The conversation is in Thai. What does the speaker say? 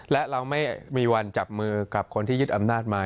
และเราไม่มีวันจับมือกับคนที่ยึดอำนาจมา